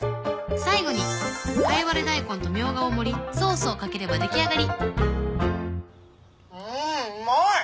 最後にかいわれ大根とみょうがを盛りソースをかければ出来上がりうんうまい！